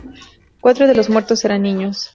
Cuatro de los muertos eran niños.